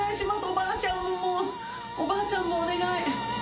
おばあちゃんもおばあちゃんもお願い。